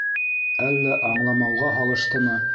Әллә аңламауға һалыштымы.